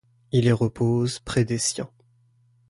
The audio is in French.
Il y repose, près des siens.